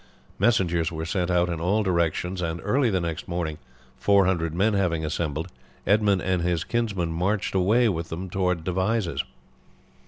Messengers were sent out in all directions, and early the next morning, 400 men having assembled, Edmund and his kinsman marched away with them towards Devizes.